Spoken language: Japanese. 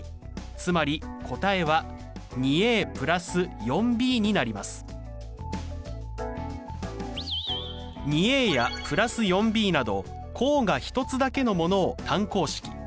つまり答えは２や＋４ｂなど項が１つだけのものを単項式。